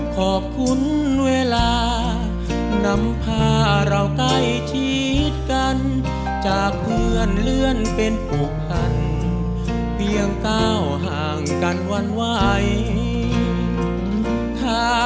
ขอบคุณเวลานำพาเราใกล้ชิดกันจากเพื่อนเลื่อนเป็นผูกพันเพียงก้าวห่างกันวันไหว